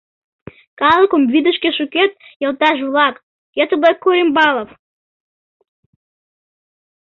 Калыкым вӱдышкӧ шӱкет... йолташ-влак, кӧ тугай Корембалов?